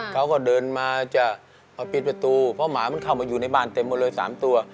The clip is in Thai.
เขาก็เดินมาจะมาปิดประตูเพราะหมามันเข้ามาอยู่ในบ้านเต็มหมดเลย๓ตัว